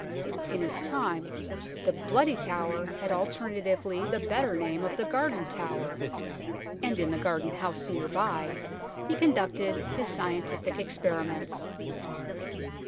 In his time the Bloody Tower had alternatively the better name of the Garden Tower, and in the Garden House near by he conducted his scientific experiments.